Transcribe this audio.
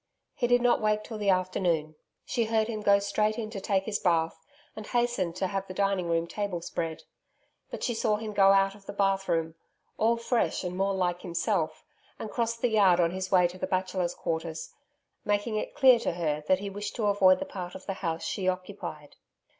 He did not wake till the afternoon. She heard him go straight in to take his bath, and hastened to have the dining room table spread. But she saw him go out of the bathroom all fresh and more like himself and cross the yard on his way to the Bachelors' Quarters, making it clear to her that he wished to avoid the part of the house she occupied.